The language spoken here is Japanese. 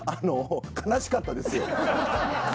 悲しかったですよ。